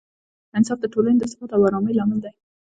انصاف د ټولنې د ثبات او ارامۍ لامل دی.